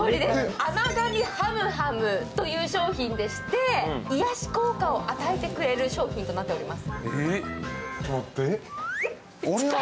甘噛みハムハムという商品でして癒やし効果を与えてくれる商品となっています。